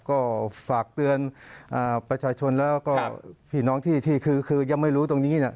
ก็ฝากเตือนประชาชนแล้วก็พี่น้องที่คือยังไม่รู้ตรงนี้นะ